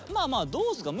どうっすか？